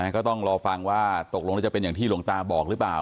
ก็ต้องรอฟังว่าตกลงแล้วจะเป็นอย่างที่หลวงตาบอกหรือเปล่า